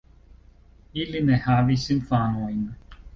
Ili ne havis infanojn.